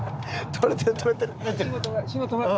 撮れてる撮れてる。